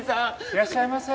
いらっしゃいませ。